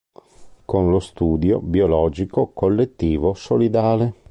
Con lo studio "Biologico, collettivo, solidale.